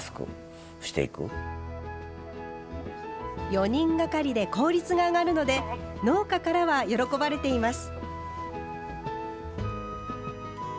４人がかりで効率が上がるので農家からは喜ばれています。